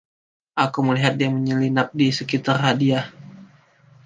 Aku melihat dia menyelinap di sekitar hadiah.